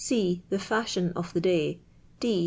| (J. The fashion of ihe'day. D.